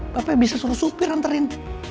papa bisa suruh supir anterin